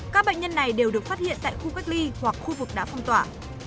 các bệnh nhân này đều được phát hiện tại khu cách ly hoặc khu vực đã phong tỏa